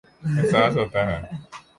احساس ہوتاہے